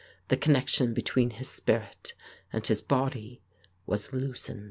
The connexion between his spirit and his body was loosened.